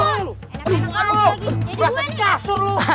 lu luas dikasur lu